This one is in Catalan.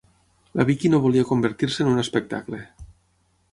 La Vicky no volia convertir-se en un espectacle.